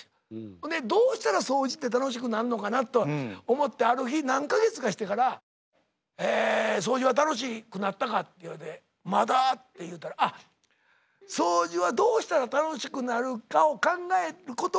ほんでどうしたら掃除って楽しくなんのかなと思ってある日何か月かしてから「掃除は楽しくなったか？」って言われて「まだ」って言うたら「掃除はどうしたら楽しくなるかを考えることが楽しいねん」。